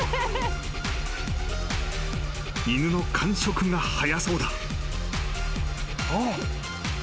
［犬の完食が早そうだ］